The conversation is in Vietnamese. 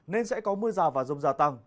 nên sẽ có mưa rào và rông gia tăng